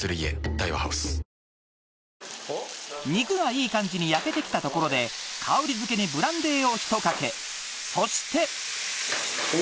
大和ハウス肉がいい感じに焼けて来たところで香りづけにブランデーをひとかけそしてお！